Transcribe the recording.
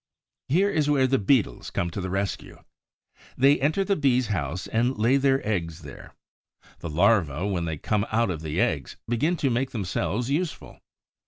Here is where the Beetles come to the rescue. They enter the Bee's house and lay their eggs there. The larvæ, when they come out of the eggs, begin to make themselves useful.